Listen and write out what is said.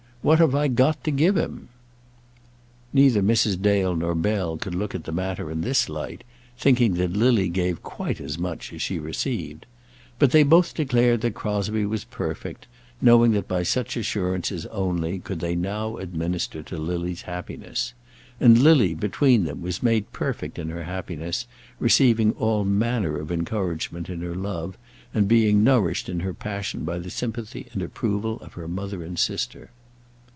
What have I got to give him?" Neither Mrs. Dale nor Bell could look at the matter in this light, thinking that Lily gave quite as much as she received. But they both declared that Crosbie was perfect, knowing that by such assurances only could they now administer to Lily's happiness; and Lily, between them, was made perfect in her happiness, receiving all manner of encouragement in her love, and being nourished in her passion by the sympathy and approval of her mother and sister.